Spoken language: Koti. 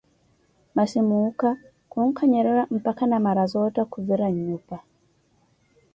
Masi muukha khunkanyerera mpakha Namarazootha khuvira nnyupa.